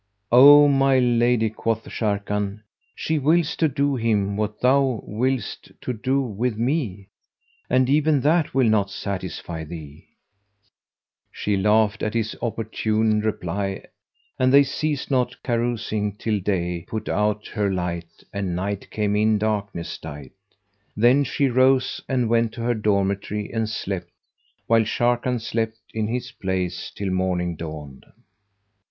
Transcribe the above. '" "O my lady," quoth Sharrkan, "she willed to do him what thou willest to do with me, and even that will not satisfy thee." She laughed at his opportune reply and they ceased not carousing till Day put out her light and Night came in darkness dight. Then she rose and went to her dormitory and slept, while Sharrkan slept in his place till morning dawned.